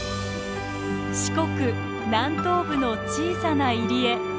四国南東部の小さな入り江。